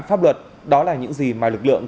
pháp luật đó là những gì mà lực lượng